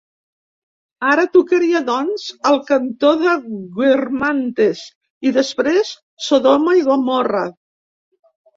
Ara tocaria, doncs, ‘El cantó de Guermantes’ i després ‘Sodoma i Gomorra’.